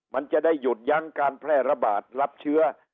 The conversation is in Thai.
มันจะได้หยุดยั้งการแพร่ระบาดรับเชื้อ